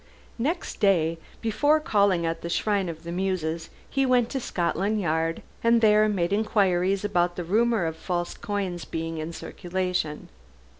Next day, before calling at the "Shrine of the Muses," he went to Scotland Yard, and there made inquiries about the rumor of false coins being in circulation.